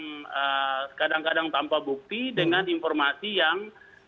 yang kadang kadang tanpa bukti dengan informasi yang